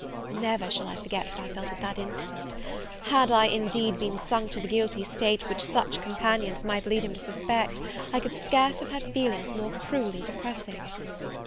Never shall I forget what I felt at that instant: had I, indeed, been sunk to the guilty state which such companions might lead him to suspect, I could scarce have had feelings more cruelly depressing.